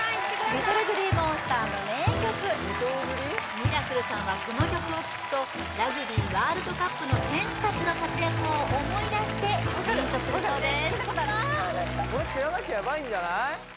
ＬｉｔｔｌｅＧｌｅｅＭｏｎｓｔｅｒの名曲ミラクルさんはこの曲を聴くとラグビーワールドカップの選手たちの活躍を思い出してジーンとするそうです